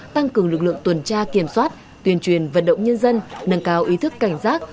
tăng cường lực lượng tuần tra kiểm soát tuyên truyền vận động nhân dân nâng cao ý thức cảnh giác